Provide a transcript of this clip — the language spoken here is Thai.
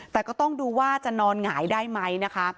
แต่ก็ต้องดูว่าจะนอนหงายได้ไหมนะคะ